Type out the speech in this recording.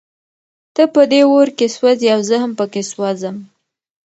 ته په دې اور کې سوزې او زه هم پکې سوزم.